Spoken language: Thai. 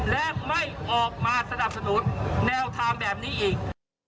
และไม่ออกมาสนับสนุนแนวทางแบบนี้อีก